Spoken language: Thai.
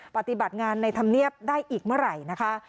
ปฏิบัติงานในธรรมเนียบได้อีกเมื่อไหร่นะคะ